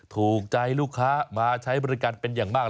ถูกใจลูกค้ามาใช้บริการเป็นอย่างมาก